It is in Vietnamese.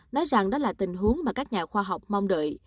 nói rằng đó là tình huống mà các nhà khoa học mong đợi